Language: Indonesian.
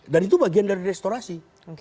dan itu bagian dari restorasi